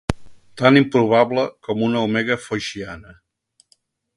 Tan improbable com una omega foixiana.